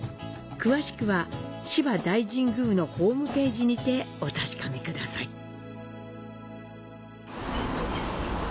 詳しくは芝大神宮のホームページにてお確かめください。